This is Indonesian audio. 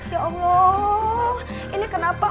ya allah ini kenapa